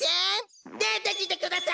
でてきてください！